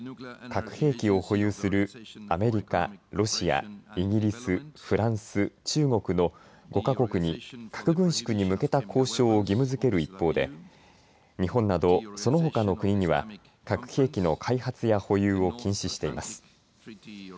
核兵器を保有するアメリカロシアイギリス、フランス、中国の５か国に核軍縮に向けた交渉を義務づける一方で日本など、そのほかの国には核兵器の開発や保有を禁止しています。